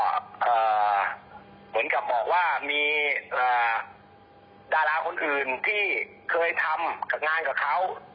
เหมือนกับบอกว่ามีดาราคนอื่นที่เคยทำงานกับเขา